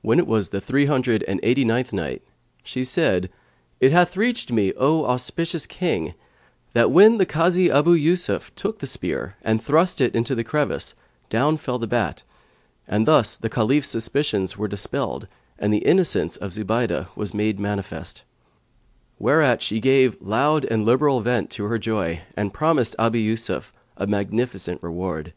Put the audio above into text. When it was the Three hundred and Eighty ninth Night She said, It hath reached me, O auspicious King, that when the Kazi Abu Yusuf took the spear and thrust it into the crevice, down fell the bat, and thus the Caliph's suspicions were dispelled and the innocence of Zubaydah was made manifest; whereat she gave loud and liberal vent to her joy and promised Abu Yusuf a magnificent reward.